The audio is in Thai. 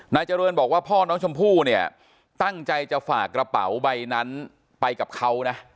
นายเจริญบอกว่าพ่อน้องชมพู่เนี่ยตั้งใจจะฝากกระเป๋าใบนั้นไปกับเขานะ